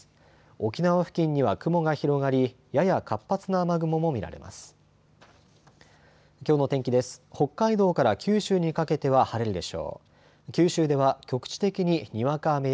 沖縄付近には雲が広がりやや活発な雨雲も見られます。